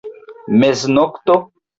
Meznokto?